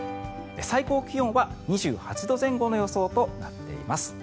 最高気温は２８度前後の予想となっています。